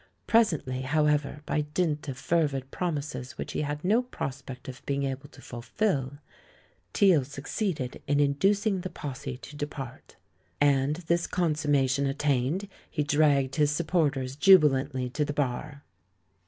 Presently, however, by dint of fervid promises which he had no prospect of being able to fulfill, Teale succeeded in inducing the posse to depart. And, this consummation attained, he dragged his supporters jubilantly to the bar.